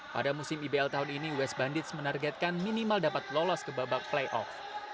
pada musim ibl tahun ini west bandits menargetkan minimal dapat lolos ke babak playoff